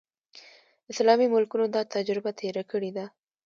اسلامي ملکونو دا تجربه تېره کړې ده.